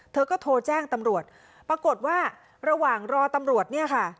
เธอก็โทรแจ้งตำรวจปรากฏว่าระหว่างรอตำรวจเนี่ยค่ะ